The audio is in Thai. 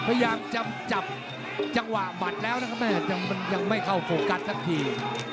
อะยังจำกว่ามัตต์แล้วนะครับแม่มันยังไม่เข้าโฟกัสทั้งที